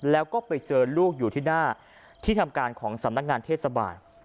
แล้วก็ไปเจอลูกอยู่ที่หน้าที่ทำการของสำนักงานเทศบาล